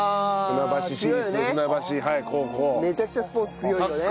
めちゃくちゃスポーツ強いよね。